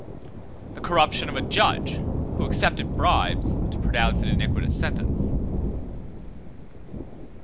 6. The corruption of a judge, who accepted bribes to pronounce an iniquitous sentence.